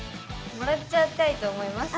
もらっちゃいたいと思います。